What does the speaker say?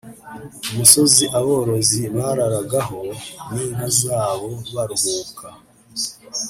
umusozi aborozi bararagaho n’inka zabo baruhuka”